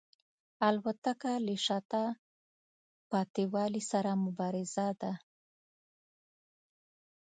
الوتکه له شاته پاتې والي سره مبارزه ده.